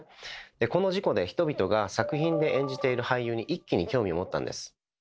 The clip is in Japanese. でこの事故で人々が作品で演じている俳優に一気に興味を持ったんです。